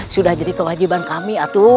sudah jadi kewajiban kami